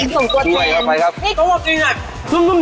ส่วนกว่าเทียมส่วนกว่าเทียมนี่ตัวจริงอ่ะ